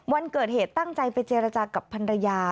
วันเกิดเหตุตั้งใจไปเจรจากับพันรยา